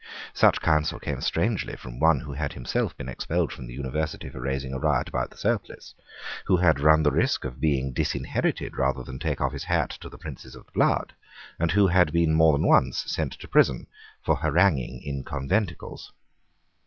Such counsel came strangely from one who had himself been expelled from the University for raising a riot about the surplice, who had run the risk of being disinherited rather than take off his hat to the princes of the blood, and who had been more than once sent to prison for haranguing in conventicles.